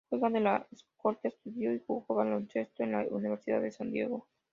Juega de "escolta", estudio y jugó baloncesto en la Universidad de San Diego.